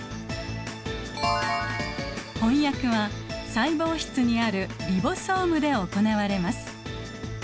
翻訳は細胞質にあるリボソームで行われます。